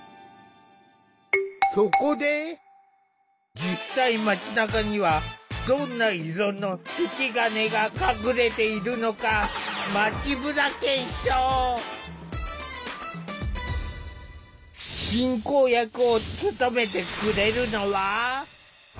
実際街なかにはどんな依存の引き金が隠れているのか進行役を務めてくれるのは。